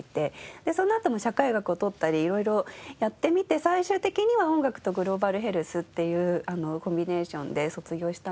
でそのあとも社会学を取ったりいろいろやってみて最終的には音楽とグローバルヘルスっていうコンビネーションで卒業したんですけど。